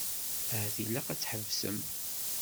Ahat ilaq ad tḥebsem.